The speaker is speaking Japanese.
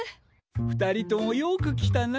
２人ともよく来たなあ。